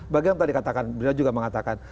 bagi yang tadi katakan beliau juga mengatakan